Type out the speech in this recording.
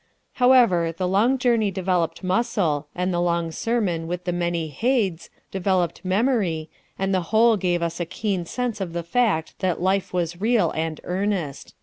However, the long journey developed muscle, and the long sermon with the many 'heids' developed memory, and the whole gave us a keen sense of the fact that life was real and earnest."